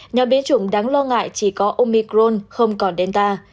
nhóm biến chủng đáng lo ngại chỉ có omicron không còn delta